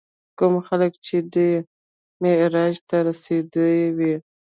کوم خلک چې دې معراج ته رسېدلي وي.